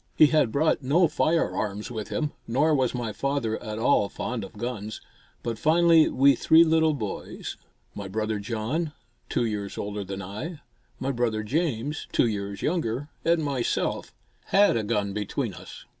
He had brought no firearms with him, nor was my father at all fond of guns, but finally we three little boys, my brother John, two years older than I, my brother James, two years younger, and myself, had a gun between us.